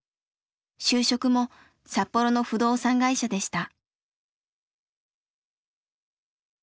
就職も札幌の不動産会社でした。